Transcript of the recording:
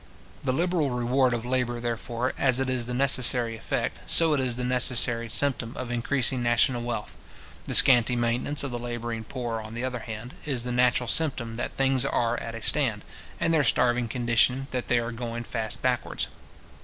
The liberal reward of labour, therefore, as it is the necessary effect, so it is the natural symptom of increasing national wealth. The scanty maintenance of the labouring poor, on the other hand, is the natural symptom that things are at a stand, and their starving condition, that they are going fast backwards.